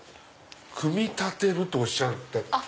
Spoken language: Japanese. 組み立てるとおっしゃってた。